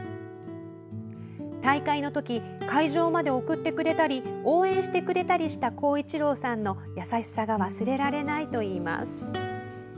大会のとき会場まで送ってくれたり応援してくれたりした光一郎さんの優しさが忘れられないといいます。